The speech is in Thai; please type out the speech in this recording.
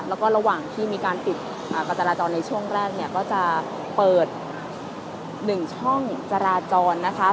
แล้วก็ระหว่างที่มีการปิดการจราจรในช่วงแรกเนี่ยก็จะเปิด๑ช่องจราจรนะคะ